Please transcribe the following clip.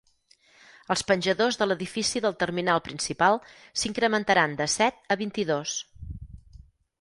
Els penjadors de l'edifici del terminal principal s'incrementaran de set a vint-i-dos.